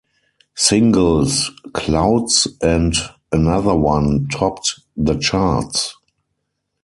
Singles "Clouds," and "Another One," topped the charts.